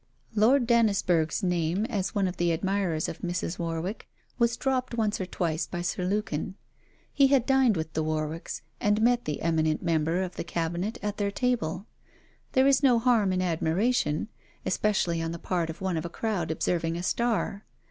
Lord Dannisburgh's name, as one of the admirers of Mrs. Warwick, was dropped once or twice by Sir Lukin. He had dined with the Warwicks, and met the eminent member of the Cabinet at their table. There is no harm in admiration, especially on the part of one of a crowd observing a star.